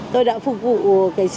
tôi đã phục vụ sea games